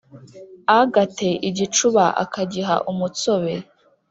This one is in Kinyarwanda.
agatea igicúba akagiha umutsoobe